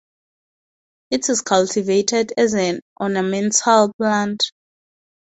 It is cultivated as an ornamental plant.